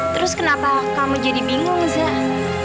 terus kenapa kamu jadi bingung zah